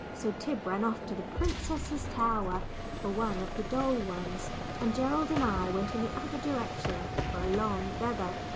So Tib ran off to the princess's tower for one of the doll ones, and Gerald and I went in the other direction for a long feather.